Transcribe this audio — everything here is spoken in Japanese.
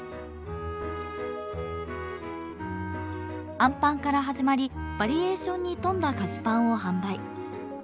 あんぱんから始まりバリエーションに富んだ菓子パンを販売。